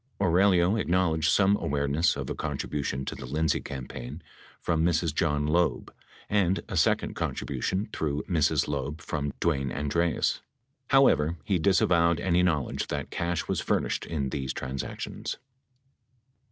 Aurelio acknowledged some awareness of a contribution to the Lindsay campaign from Mrs. John Loeb and a second contribution through Mrs. Loeb from Dwayne Andreas. How ever, he disavowed any knowledge that cash was furnished in these transactions.